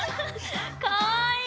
かわいい！